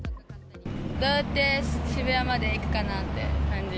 どうやって渋谷まで行くかなっていう感じ。